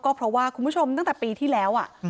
ก็เพราะว่าคุณผู้ชมตั้งแต่ปีที่แล้ว